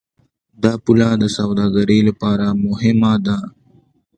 دا پوله د سوداګرۍ لپاره مهمه ده.